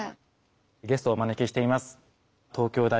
ゲストをお招きしています。